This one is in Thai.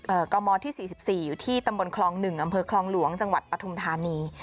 กมที่สี่สิบสี่อยู่ที่ตำบลคลองหนึ่งอำเภอคลองหลวงจังหวัดปฐุมธานี